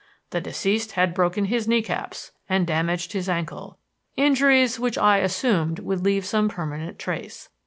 The deceased had broken his knee caps and damaged his ankle, injuries which I assumed would leave some permanent trace.